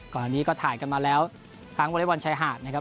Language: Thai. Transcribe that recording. ก่อนอันนี้ก็ถ่ายกันมาแล้วทั้งวอเล็กบอลชายหาดนะครับ